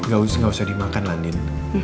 gak usah dimakan landin